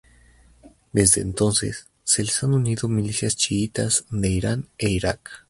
Desde entonces, se les han unido milicias chiitas de Irán e Irak.